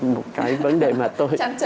một cái vấn đề mà tôi